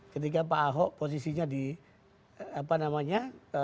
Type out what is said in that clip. ketika pak ahok posisinya di apa namanya